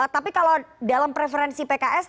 tapi kalau dalam preferensi pks apakah lebih baik pks ini